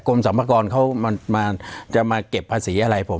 กรมสำกรเขามันมาจะมาเก็บภาษีอะไรผม